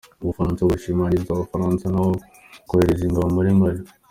U Bufaransa burashishikariza amahanga nayo kohereza ingabo muri Mali